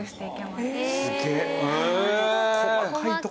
すげえ。